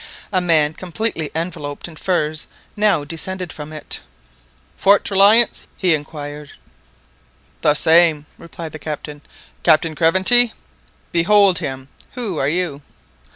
A man completely enveloped in furs now descended from it, "Fort Reliance?;" he inquired. "The same," replied the Captain. "Captain Craventy?" "Behold him! Who are you?"